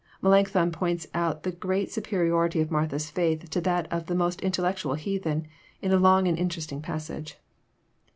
Melancthon points out the great superiority of Martha's faith to that of the most intellectual heathen, in a long and interesting passage.